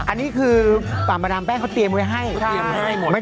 อันนี้คือปรามานามแป้งเขาเตรียมไว้ให้